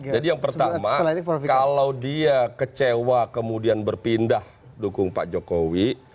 jadi yang pertama kalau dia kecewa kemudian berpindah dukung pak jokowi